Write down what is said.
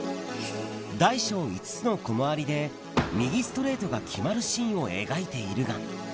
大小５つのコマ割りで、右ストレートが決まるシーンを描いているが。